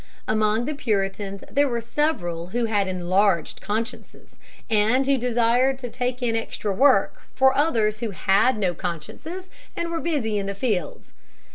] Among the Puritans there were several who had enlarged consciences, and who desired to take in extra work for others who had no consciences and were busy in the fields.